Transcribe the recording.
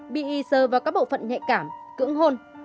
bị y sờ vào các bộ phận nhạy cảm cưỡng